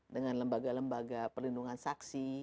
dengan lembaga lembaga perlindungan saksi